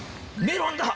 メロンだ！